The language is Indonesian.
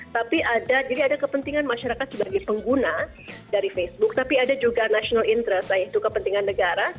tapi ada jadi ada kepentingan masyarakat sebagai pengguna dari facebook tapi ada juga national interest yaitu kepentingan negara